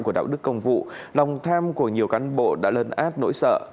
của đạo đức công vụ lòng tham của nhiều cán bộ đã lân áp nỗi sợ